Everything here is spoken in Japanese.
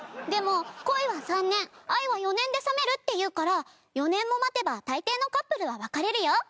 でも恋は３年愛は４年で冷めるっていうから４年も待てば大抵のカップルは別れるよ。